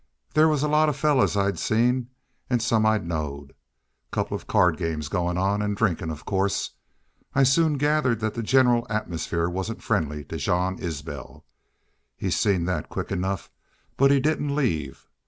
Thar was a lot of fellars I'd seen, an' some I knowed. Couple of card games goin', an' drinkin', of course. I soon gathered thet the general atmosphere wasn't friendly to Jean Isbel. He seen thet quick enough, but he didn't leave.